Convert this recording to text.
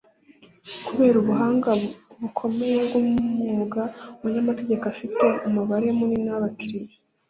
Kubera ubuhanga bukomeye bwumwuga umunyamategeko afite umubare munini wabakiriya